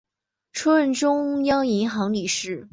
出任中央银行理事。